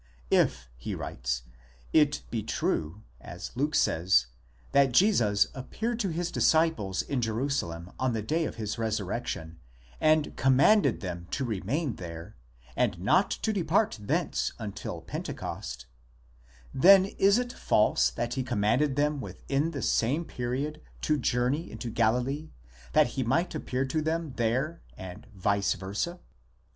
If, he writes, it be true, as Luke says, that Jesus appeared to his disciples in Jerusalem on the day of his resurrection, and commanded them to remain there, and not to depart thence until Pentecost : then is it false that he commanded them within the same period to journey into Galilee, that he might appear to them there, and vice versa.